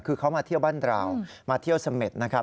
คือเขามาเที่ยวบ้านเรามาเที่ยวเสม็ดนะครับ